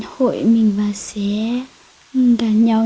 hội mình và sẽ gặn nhau